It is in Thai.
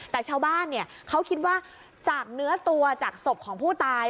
แต่ชาวบ้านเขาคิดว่าจากเนื้อตัวจากศพของผู้ตาย